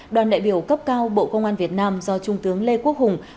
đoàn đại biểu cấp cao bộ công an việt nam do trung tướng lê quốc hùng